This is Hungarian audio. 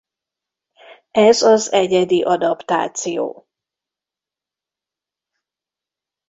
Ez az egyedi adaptáció.